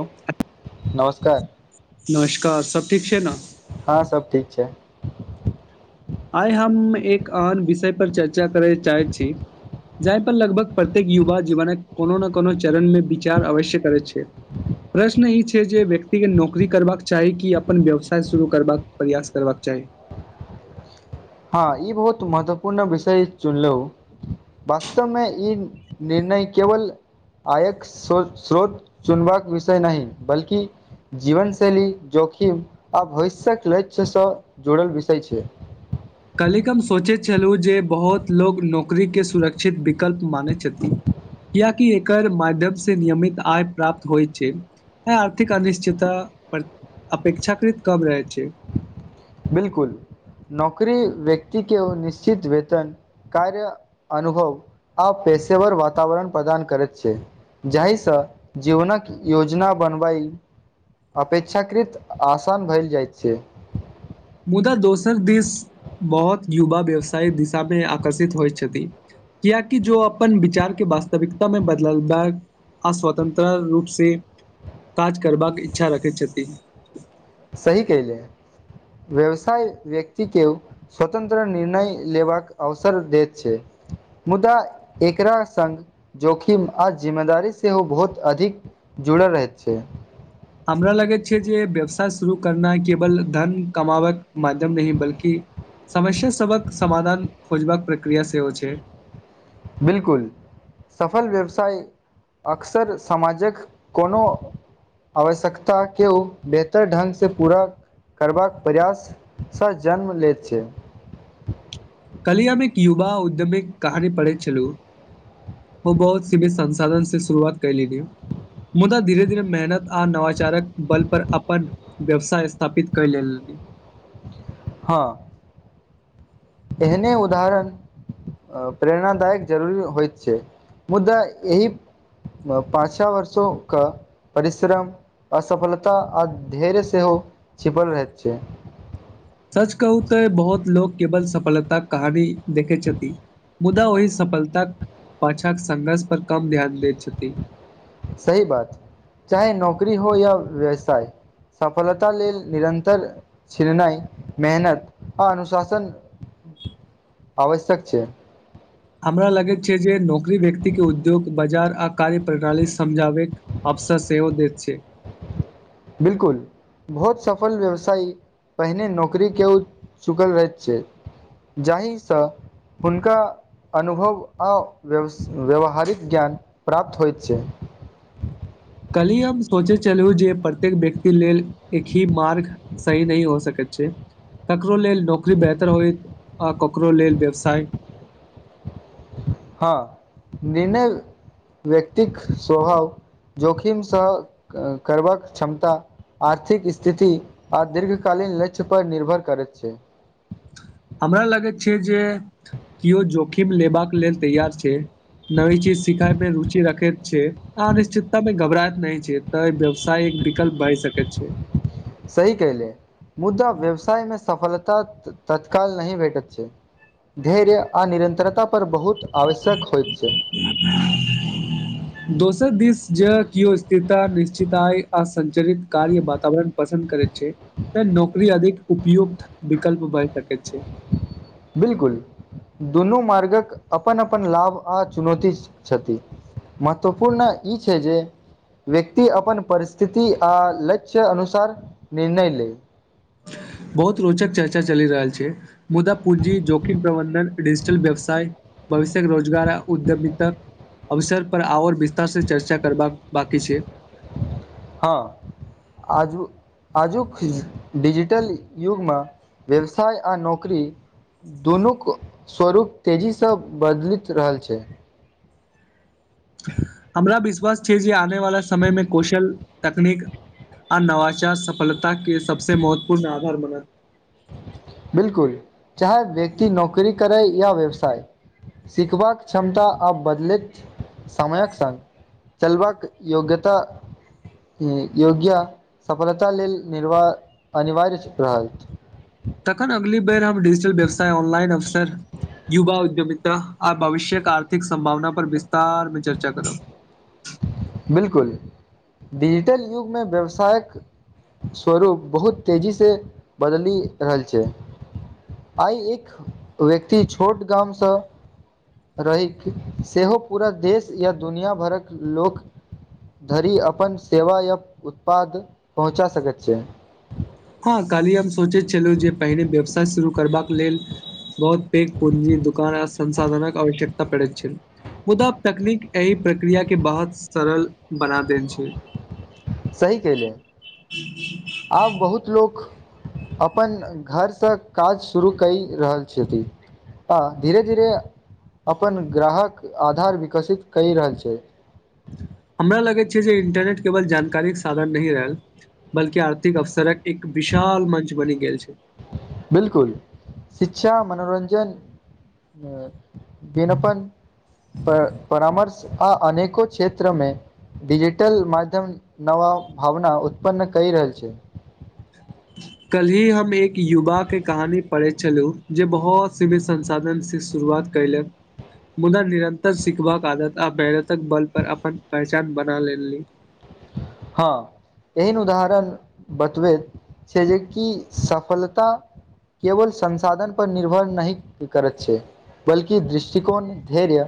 अ नमस्कार नमस्कार सब ठीक छै ने हँ सब ठीक छै आइ हम एक आन विषय पर चर्चा करे चाहे छी जाहि पर लगभग प्रत्येक युवा जीवन कोनो ने कोनो चरण मे विचार अवश्य करै छै प्रश्न ई छै जे व्यक्तिे नौकरी करबाक चाही कि अपन व्यवसाय शुरू करबाक प्रयास करबाक चाही हँ ई बहुत महत्वपूर्ण विषय चुनलहुं वास्तवमे ई निर्णय केवल आयक स्रोत चुनबाक विषय नहि बल्कि जीवन शैली जोखिम आ भविष्यक लक्ष्य से जुड़ल विषय छै कल्हि हम सोचैत छलहुँ जे बहुत लोग नौकरीके सुरक्षित विकल्प मानैत छथिन कियाकि एकर माध्यमसँ नियमित आय प्राप्त होइत छै ह आर्थिक अनिश्चितता पर अपेक्षाकृत कम रहै छै बिलकुल नौकरी व्यक्ति के निश्चित वेतन कार्य अनुभव आ पेशेवर वातावरण प्रदान करैत छै जाहिसँ जीवनक योजना बनबै अपेक्षाकृत आसान भेल जाइत छै मुदा दोसर दिस बहुत युवा व्यवसाय दिशामे आकर्षित होइत छथि कियाकि जो अपन विचार के वास्तविकता मे बदल अस्वतन्त्र रूप से काज करबाक इच्छा रखैत छथिन सही कहलु व्यवसाय व्यक्ति के स्वतंत्र निर्णय लेबाक अवसर दैत छै मुदा एकरा सङ्ग जोखिम आज जिम्मेदारी सेहो ओ बहुत अधिक जुड़ल रहै छै हमरा लगैत छै जे व्यवसाय शुरू करनाइ केवल धन कमाबक माध्यम नहि बल्कि समस्या सभक समाधान खोजबाक प्रक्रिया सेहो छै बिल्कुल सफल व्यवसाय अक्सर समाजक कोनो आवश्यकता केओ बेहतर ढंगसँ पूरा करबाक प्रयाससँ जन्म लैत छै कल्हि हमि एक युवा उद्यमी कहानी पढ़ै छलु ओ बहुत सी भी संसाधन से शुरुआत कर ली मुदा धीरे धीरे मेहनत आ नवाचारक बल पर अपन व्यवसाय स्थापित क लेली हँ एहने उदाहरण प्रेरणादायक जरूरी होइत छै मुद्दा एहि पाँचाँ वर्षो क परिश्रम असफलता आ धैर्य सेहो छिपल रहैत छै सच कहू तऽ बहुत लोक केवल सफलताक कहानी देखै छथि मुदा ओहि सफलताक पाछाँ संघर्ष पर कम ध्यान दैत छथि सही बात चाहे नौकरी होय या व्यवसाय सफलता लेल निरन्तर छिननाइ मेहनत आ अनुशासन आवश्यक छै हमरा लगैत छै जे नौकरी व्यक्ति के उद्योग बाजार आ कार्य प्रणाली समझाबैक अवसर सेहो दैत छै बिल्कुल बहुत सफल व्यवसायी पहिने नौकरी के चुकल रहैत छैय जाहिसँ हुनका अनुभव आ व्यवहारिक ज्ञान प्राप्त होइत छै कल्हि हम सोचैत छलहुँ जे प्रत्येक व्यक्ति लेल एक ही मार्ग सही नहि हो सकैत छै ककरो लेल नौकरी बेहतर होयत आ ककरो लेल व्यवसाय हँ निर्णय व्यक्तिक स्वभाव जोखिमसँ करबाक क्षमता आर्थिक स्थिति आ दीर्घ कालीन लक्ष्य पर निर्भर करैत छै हमरा लगैत छै जे केयो जोखिम लेबाक लेल तैयार छै नवी चीज सिखायमे रुचि रखैत छै आ अनिश्चितता मे घबराइत नै छै तऽ व्यवसाय एक विकल्प भय सकै छै सही कले मुदा व्यवसाय मे सफलता तत्काल नहि भेटैत छै धैर्य आ निरन्तरता पर बहुत आवश्यक होइत छै दोसर दिस जे किओ स्थिरता निश्चित आय आसंचरित कार्य वातावरण पसन्द करै छै तऽ नौकरी अधिक उपयुक्त विकल्प भए सकैत छै बिल्कुल दुनू मार्गक अपन अपन लाभ आ चुनौती छथि महत्वपूर्ण ई छै जे व्यक्ति अपन परिस्थिति आ लक्ष्य अनुसार निर्णय लै बहुत रोचक चर्चा चलि रहल छै मुदा पूंजी जोखिम प्रबंधन डिजिटल व्यवसाय भविष्यक रोजगार उद्यमीता अवसर पर आओर विस्तार से चर्चा करबाक बाकी छै हँ आजू आजुक डिजिटल युगमे व्यवसाय आ नौकरी दुनूक स्वरूप तेजीसँ बदलित रहल छै हमरा विश्वास छै जे आने वाला समय मे कौशल तकनीक आ नवाचार सफलता के सबसे महत्वपूर्ण आधार बनल बिल्कुल चाहे व्यक्ति नौकरी करे या व्यवसाय सिखबाक क्षमता आब बदलैत समयक संग चलबाक योग्यता योग्या सफलता लेल निर्वा अनिवार्य रहल तखन अगली बेर हम डिजिटल व्यवसाय ऑनलाइन अवसर युवा उद्यमितता आ भविष्यक आर्थिक संभावना पर विस्तार में चर्चा करब बिल्कुल डिजिटल युगमे व्यवसायक स्वरूप बहुत तेजीसँ बदलि रहल छै आइ एते व्यक्ति छोट गामसँ रहैक सेहो पूरा देश या दुनिया भरक लोक धरि अपन सेवा आ उत्पाद पहुँचा सकैत छैय। हँ, काल्हि हम सोचैत छलहुँ जे पहिने व्यवसाय शुरू करबाक लेल। बहुत पेघ पूँजी दोकान आ संसाधनक आवश्यकता पड़ैत छैय मुदा तकनीक एहि प्रक्रियाके, बहुत सरल बना देन छै। सही कहिले आब बहुत लोक अपन घरसँ काज शुरू करि रहल छथिन। आ धीरे धीरे। अपन ग्राहक आधार विकसित किय रहल छै। हमरा लगैत छै। जे इन्टरनेट केवल जानकारीके साधन नहि रहल। बल्कि आर्थिक अवसरक एक विशाल मंच बनी गेल छै। बिल्कूल शिक्षा मनोरंजन अ विनपन परा परामर्श आ अनेको क्षेत्रमे। डिजिटल माध्यम नवा भावना उत्पन्न कहि रहल छैय। कल ही हम एक युवाके कहानी पढ़ैत छलहु जे बहुत सीमित संसाधनसे शुरुआत। कैयल मुदा निरन्तर सिखबाक आदत आरतक बल पर अपन पहचान बना लेली। हँ, एहन उदाहरण बतब से जे कि सफलता। केवल संसाधनपर निर्भर नहि करैत छै। बल्कि दृष्टिकोण धैर्य।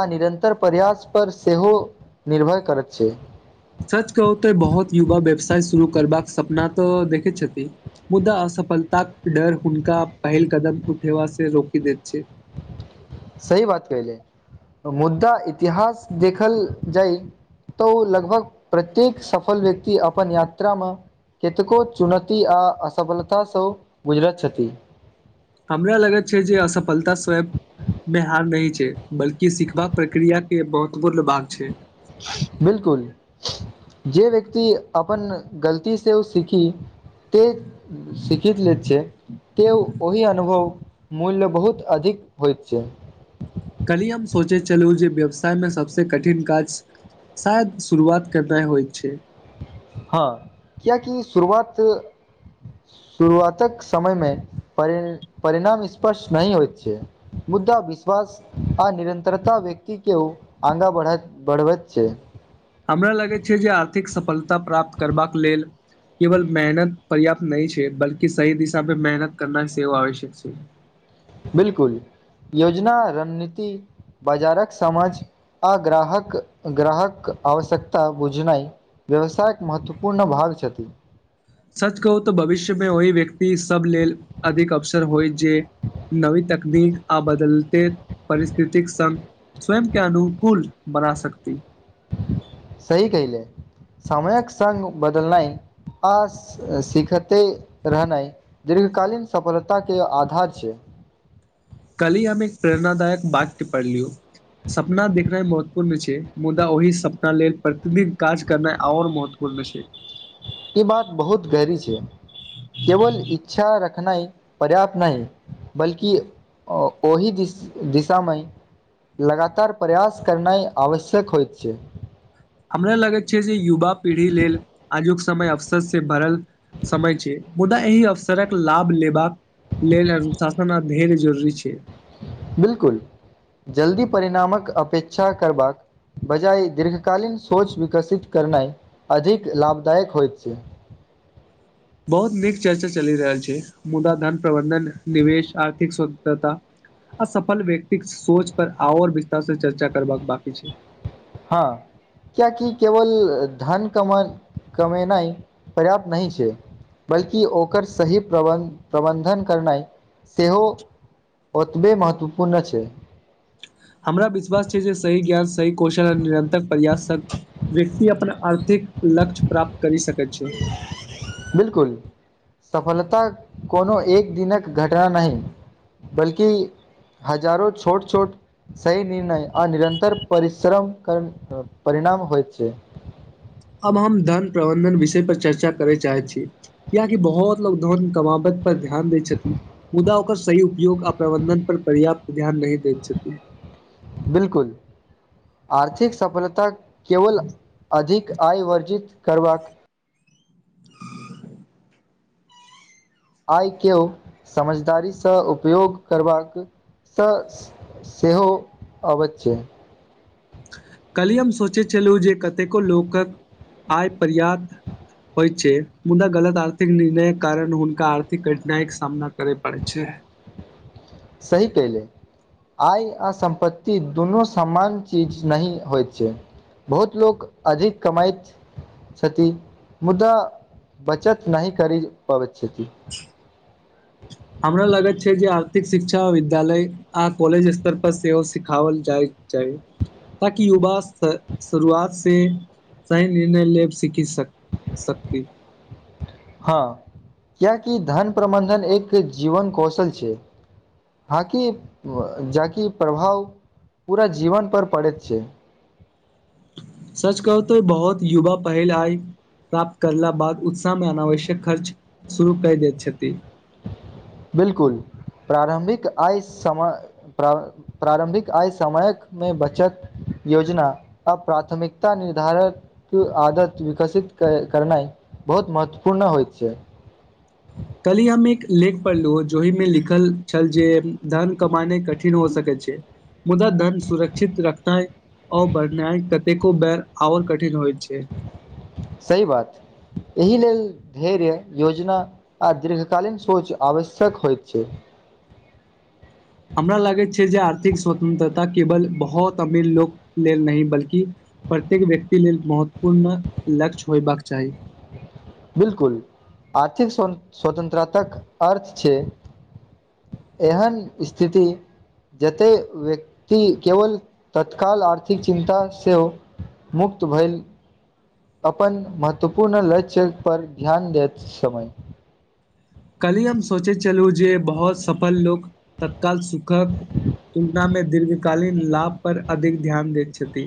आ निरन्तर प्रयास पर सेहो निर्भर करैत छै। सच कहू तऽ बहुत युवा व्यवसाय शुरू करबाक सपना तऽ देखै छथिन। मुदा असफलताक डर हुनका पहिल कदम उठेबासे रोकि दैत छै सही बात कहले मुद्दा इतिहास देखल जाय। तऽ ओ लगभग प्रत्येक, सफल व्यक्ति अपन यात्रामे। कतेको चुनौती आ असफलतासँ, गुजरैत छथि हमरा लगैत छै, जे असफलता स्वयप। मे हार नै छै बल्कि सिखबका प्रक्रिया मके महत्वपूर्ण भाग छै। बिल्कूल जे व्यक्ति अपन गलतीसँ ओ सीखी ते सीखीत लेत छै। त ओहि अनुभव मूल्य बहुत अधिक होइत छै। कली हम सोचै छलू जे व्यवसायमे सभसे कठिन काज शायद शुरुआत केनाइ होइत छै। हँ, क्याकि शुरुआत। शुरुआतक, समयमे पर परिणाम स्पर्श नहि होइत छै। मुद्दा विश्वास। आ निरतरता व्यक्तिके आगाँ बढ़ बढ़बत छै। हमरा लगैत छै जे आर्थिक सफलता प्राप्त करबाक लेल। केवल मेहनत पर्याप्त नहि छै। बल्कि सही दिशामे मेहनत करना सेव आवश्यक छै। बिल्कूल योजना रणनीति। बाजारक समझ आ ग्राहक-ग्राहक आवश्यकता बुझनाइ। व्यवसायके महत्वपूर्ण भाग छथि। सच कहू तऽ भविष्यमे ओहि व्यक्ति सभ लेल अधिक अवसर होय जे नवी तकनीक आ बदलते परिस्थतिक संग। स्वयंके अनुकूल बना सकती। सही कहिले। समयक संग बदलनाइ आ सिखते रहनाइ। दीर्घकालीन सफलताके आधार छै। कली हम एक प्रेरणादायक वाक्य पढ़लियो सपना देखनाइ महत्वपूर्ण छै मुदा ओहि सपना लेल प्रतिदिन काज करना और महत्त्वपूर्ण छै ई बात बहुत गहरी छै केवल इच्छा रखनाइ पर्याप्त नहि बल्कि ओहि दिस दिशा मे लगातार प्रयास करनाइ आवश्यक होइत छै हमरा लगैत छै जे युवा पीढ़ी लेल आजुक समय अवसर से परल समय छै मुदा एहि अवसरक लाभ लेबाक लेल अनुशासन आब ढेर जरूरी छै बिल्कुल जल्दी परिणामक अपेक्षा करबाक बजााय दीर्घकालीन सोच विकसित करनाइ अधिक लाभदायक होइत छै बहुत नीक चर्चा चलि रहल छै मुदा धन प्रबंधन निवेश आर्थिक स्वतंत्रता आ सफल व्यक्ति सोच पर आओर विस्तार से चर्चा करबाक बाकी छै हं कियाकि केवल धन कमा कमेनाइ पर्याप्त नही छए बल्कि ओकर सही प्रबन् प्रबन्धन करनाइ सेहो ओतबे महत्वपूर्ण अछै हमरा विश्वास छै जे सही ज्ञान सही कौशल आर निरन्तर प्रयास सॅ व्यक्ति अपना आर्थिक लक्ष्य प्राप्त करी सकै छौ बिल्कुल सफलता कोनो एक दिनक घटा नहि बल्कि हजारो छोट छोट सही निर्णय आ निरन्तर परिश्रम कर परिणाम होइत छै अब हम धन प्रबंधन विषय पर चर्चा करय चाहे छि कियाकि बहुत लोग धन कमाबै पर ध्यान दै छथिन्ह मुदा ओकर सही उपयोग आ प्रबंधन पर पर्याप्त ध्यान नहि दैत छथिन्ह बिलकुल आर्थिक सफलता केवल अधिक आय वर्जित करबाक आइ केओ समझदारी सँ उपयोग करबाक सँ सेहो अबैत छै कलहि हम सोचै छलहुँ जे कतेको लोकक आय पर्यात होइछे मुदा गलत आर्थिक निर्णय कारण हुनका आर्थिक कठिनाइ के सामना करे पड़ै छै सही केइले आय आ सम्पत्ति दुनू सामान चीज नहि होइ छै बहुत लोक अधिक कमाइत छथि मुदा बचत नही कर पबै छथि हमरा लगत छै जे आर्थिक शिक्षा विद्यालय आ कॉलज स्तर पर सेहो सिखावल जाही चाहे ताकि युवा शुरुआत से सही निर्णय लेब सीखी सके शक्ति हँ कियाकि धन प्रबन्धन एक जीवन कौशल छै हाँ कि जकि प्रभाव पूरा जीवन पर पड़ैत छै सच कहू त बहुत युवा पहल आय प्राप्त करला बाद उत्साह मे अनावश्यक खर्च शुरू क दैत छथि बिल्कुल प्रारंभिक आय सम प्र प्रारम्भिक आय समय न बचत योजना आ प्राथमिकता निर्धारण आदत विकसित करनाए बहुत महत्वपूर्ण होइत छै कलिह हम एक लेख पढ़लुह जोहि मे लिखल छल जे धन कमाने कठिन हो सकैत छै मुदा धन सुरक्षित रखनाए आ ओ बढ़नाइ कतेको बेर आओर कठिन होइत छै सही बात एहि लेल धैर्य योजना आ दीर्घकालीन सोच आवश्यक होइत छै हमरा लागैत छै जे आर्थिक स्वतंत्रता केवल बहुत अमीर लोक लेल नहि बल्कि प्रत्येक व्यक्ति लेल महत्वपूर्ण लक्ष्य होयबाक चाही बिल्कुल आर्थिक स्वतन्त्रतक अर्थ छै एहन स्थिति जतैव्यक्ति केवल तत्काल आर्थिक चिन्ता सेहो मुक्त भैल अपन महत्वपूर्ण लक्ष्य पर ध्यान दैत समय कल्हि हम सोचै छलू जे बहुत सफल लोक तत्काल सुखक तुलनामे दीर्घकालीन लाभपर अधिक ध्यान दैत छथि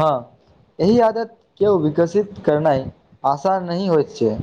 हँ एहि आदत केओ विकसित करनाय आसान नहि होइत छै